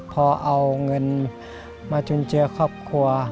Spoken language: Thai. พอเอาเงินมาจุนเจือครอบครัว